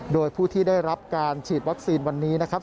โดยผู้ที่ได้รับการฉีดวัคซีนวันนี้นะครับ